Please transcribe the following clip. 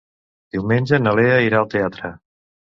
Diumenge na Lea irà al teatre.